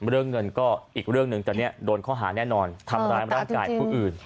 เรื่องเงินก็อีกเรื่องหนึ่งตอนนี้โดนข้อหาแน่นอนทำร้ายร่างกายผู้อื่น